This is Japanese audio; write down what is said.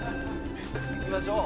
いきましょう。